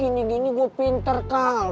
gini gini gue pinter kau